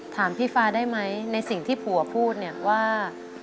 ถามพี่ฟ้าได้ไหมในสิ่งที่ผัวพูดเนี่ยว่า